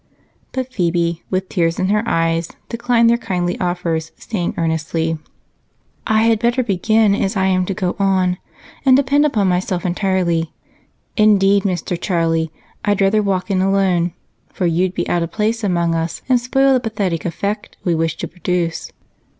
But Phebe, with tears in her eyes, declined their kindly offers, saying earnestly: "I had better begin as I am to go on and depend upon myself entirely. Indeed, Mr. Charlie, I'd rather walk in alone, for you'd be out of place among us and spoil the pathetic effect we wish to produce."